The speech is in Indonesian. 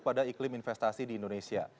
pada iklim investasi di indonesia